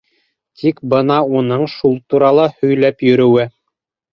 Тик бына уның шул турала һөйләп йөрөүе.